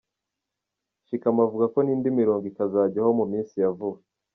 Shikama avuga ko n’indi mirongo ikazajyaho mu minsi ya vuba.